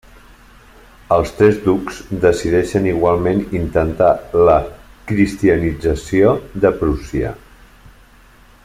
Els tres ducs decideixen igualment intentar la cristianització de Prússia.